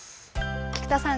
菊田さん